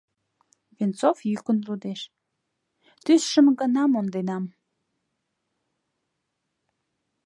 — Венцов йӱкын лудеш: «Тӱсшым гына монденам.